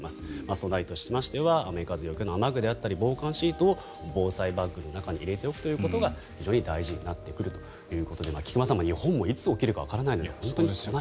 備えとしましては雨風よけの雨具であったり防寒シートを防災バッグの中に入れておくということが非常に大事ということで菊間さん、日本もいつ起きるかわからないので。